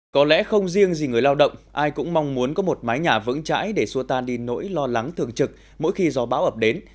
có lẽ không riêng gì người lao động ai cũng mong muốn có một mái nhà vững chãi để xua tan đi nỗi lo lắng thường trực mỗi khi gió bão ập đến